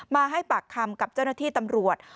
มาให้ปากคำกับเจ้าหน้าที่ตำรวจ